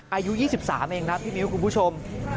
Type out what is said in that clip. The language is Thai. อายุ๒๓เองครับพี่มิ้วคุณผู้ชม